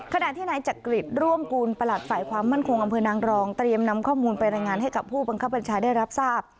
ขณะที่นายจักริตร่วมกูลประหลัดฝ่ายความมั่นคงอำเภอนางรองเตรียมนำข้อมูลไปรายงานให้กับผู้บังคับบัญชาได้รับทราบ